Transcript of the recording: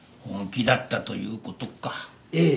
ええ。